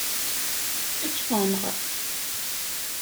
Ad k-tenɣ.